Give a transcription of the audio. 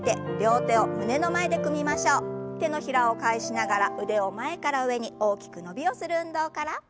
手の平を返しながら腕を前から上に大きく伸びをする運動から。